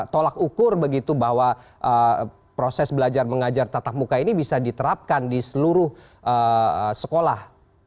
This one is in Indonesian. tolak ukur begitu bahwa proses belajar mengajar tatap muka ini bisa diterapkan di seluruh sekolah